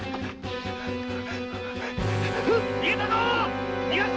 逃げたぞっ！